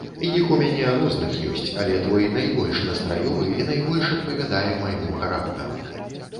Іх у мяне розных ёсць, але твой найбольш настраёвы і найбольш адпавядае майму характару.